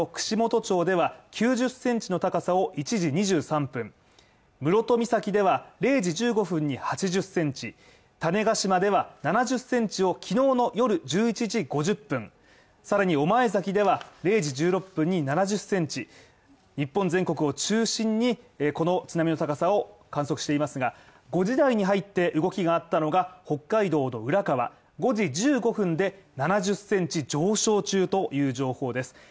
さらに和歌山の串本町では、９０センチの高さを１時２３分、室戸岬では０時１５分に８０センチ種子島では７０センチを昨日の夜１１時５０分、さらに御前崎では、０時１６分に７０センチ、日本全国を中心にこの津波の高さを観測していますが、５時台に入って動きがあったのが、北海道の浦川５時１５分で７０センチ上昇中という情報です。